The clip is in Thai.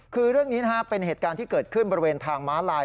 คือเรื่องนี้เป็นเหตุการณ์ที่เกิดขึ้นบริเวณทางม้าลาย